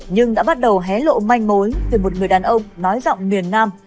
nhưng đã bắt đầu hé lộ manh mối về một người đàn ông nói giọng miền nam